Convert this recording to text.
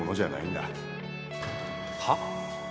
はっ？